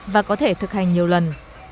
và có thể thực hành nhiều lần